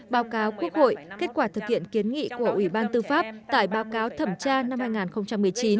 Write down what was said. báo cáo quốc hội kết quả thực hiện kiến nghị của ủy ban tư pháp tại báo cáo thẩm tra năm hai nghìn một mươi chín